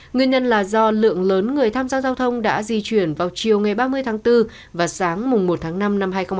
nguyên nhân là do lượng lớn người tham gia giao thông đã di chuyển vào chiều ngày ba mươi tháng bốn và sáng một tháng năm năm hai nghìn hai mươi bốn